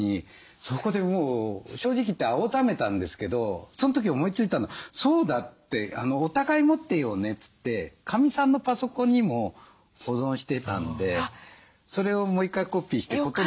そこでもう正直言って青ざめたんですけどその時思いついたのは「そうだ。お互い持ってようね」ってかみさんのパソコンにも保存していたんでそれをもう１回コピーして事なきを得たんです。